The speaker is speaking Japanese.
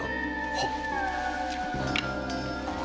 はっ。